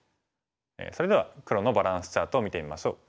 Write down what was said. それでは黒のバランスチャートを見てみましょう。